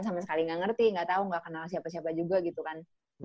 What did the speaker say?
sama sekali gak ngerti gak tau gak kenal siapa siapa juga gitu kan